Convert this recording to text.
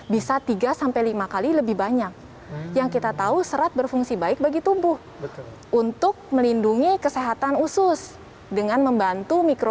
beras berwarna mengandung serat lebih tinggi dibandingkan beras putih